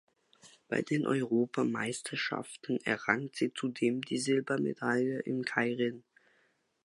Bei den Europameisterschaften errang sie zudem die Silbermedaille im Keirin.